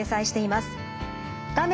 画面